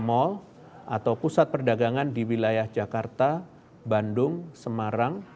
mall atau pusat perdagangan di wilayah jakarta bandung semarang